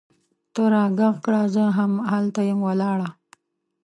ته را ږغ کړه! زه هم هلته یم ولاړه